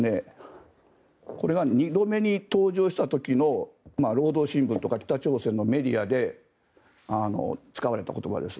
これが２度目に登場した時の労働新聞とか北朝鮮のメディアで使われた言葉です。